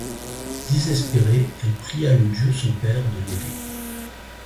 Désespérée, elle pria le dieu son père de l'aider.